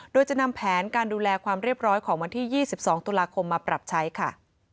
โดยจะนำแผนการดูแลความเรียบร้อยของวันที่๒๒ตุลาคมมาปรับใช้ค่ะ